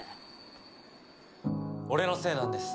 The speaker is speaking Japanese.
俺のせいなんです。